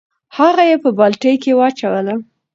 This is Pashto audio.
هغه یې په بالټي کې واچوله.